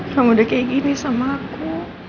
kamu udah kayak gini sama aku